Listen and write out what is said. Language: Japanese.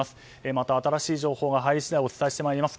また、新しい情報が入り次第お伝えしてまいります。